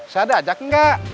saya ada ajak enggak